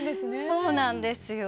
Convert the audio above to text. そうなんですよ。